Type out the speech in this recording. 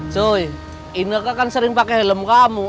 coy ineke kan sering pake helm kamu